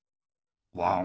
ワン？